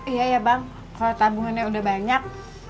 iya ya bang kalau tabungannya udah banyak